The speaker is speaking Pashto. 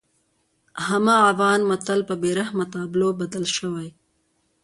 هماغه افغان متل په بېرحمه تابلو بدل شوی.